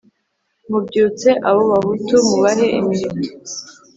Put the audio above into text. mubyutse abo bahutu mubahe imiheto